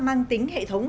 mang tính hệ thống